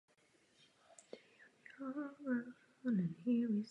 Skupina původně začala album nahrávat sama a strávila tak rok bez většího úspěchu.